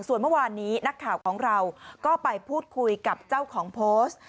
ส่วนเมื่อวานนี้นักข่าวของเราก็ไปพูดคุยกับเจ้าของโพสต์